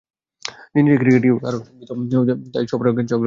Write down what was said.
দিন শেষে ক্রিকেট কীভাবে আরও সমৃদ্ধ হবে সেটাই সবার কাছে অগ্রাধিকার পায়।